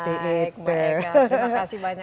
terima kasih banyak